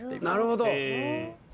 なるほど。